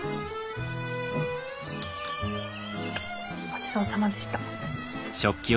ごちそうさまでした。